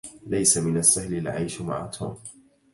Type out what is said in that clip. ليس من السهل العيش مع توم.